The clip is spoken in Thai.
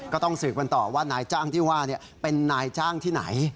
ก็ต้องสืบกันต่อว่านายจ้างที่ว่าเป็นนายจ้างที่ไหน